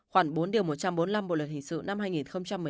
khoảng bốn điều một trăm bốn mươi năm bộ luật hình sự năm hai nghìn một mươi năm